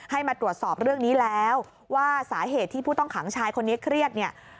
มาตรวจสอบเรื่องนี้แล้วว่าสาเหตุที่ผู้ต้องขังชายคนนี้เครียดเนี่ย